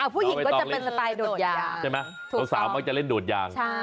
ผู้หญิงก็จะเป็นสไตล์โดดยางสาวสาวจะเล่นโดดยาง